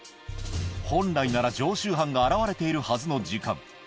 本来なら常習犯が現れているはずの時間。